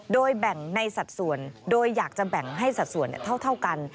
โดยแบ่งในสัดส่วนโดยอยากจะแบ่งให้สัดส่วนเท่ากัน